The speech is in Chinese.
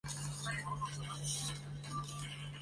附生出身。